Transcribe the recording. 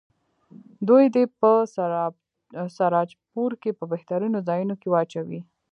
دوی دې په سراجپور کې په بهترینو ځایونو کې واچوي.